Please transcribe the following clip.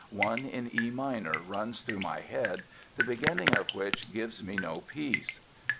One in E minor runs through my head the beginning of which gives me no peace".